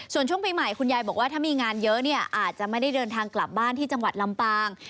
ส่วนช่วงปีใหม่คุณยายบอกว่าถ้ามีงานเยอะเนี่ยอาจจะไม่ได้เดินทางกลับบ้านที่จังหวัดลำปาง